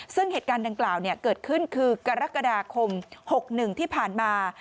ซึ่งเหตุการณ์ดังกล่าวเกิดขึ้นคือกรกฎาคม๖๑ที่ผ่านมา